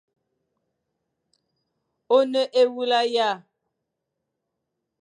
One ewula ya?